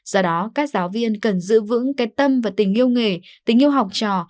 do đó các giáo viên cần giữ vững cái tâm và tình yêu nghề tình yêu học trò